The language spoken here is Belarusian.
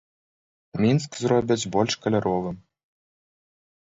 Мінск зробяць больш каляровым.